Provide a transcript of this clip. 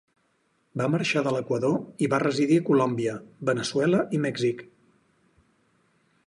Va marxar de l'Equador i va residir a Colòmbia, Veneçuela i Mèxic.